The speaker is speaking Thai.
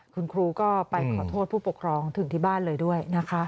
คุณครูก็ไปขอโทษผู้ปกครองถึงที่บ้านเลยด้วยนะคะ